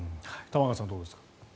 玉川さん、どうですか？